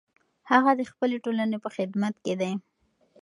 هغه د خپلې ټولنې په خدمت کې دی.